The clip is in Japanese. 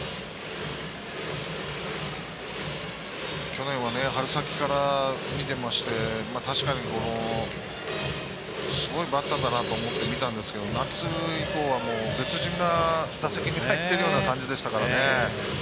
去年は春先から見てまして確かに、すごいバッターだなと思って見たんですけど夏以降は別人が打席に入っているような感じでしたね。